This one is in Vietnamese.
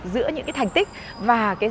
giữa những cái thành tựu của chúng ta